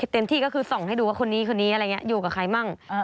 เต็มที่ก็คือส่งให้ดูว่าคนนี้คนนี้อยู่กับใครบ้าง